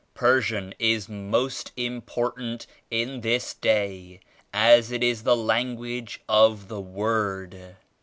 Persian is most important in this Day as it is the language of the Word.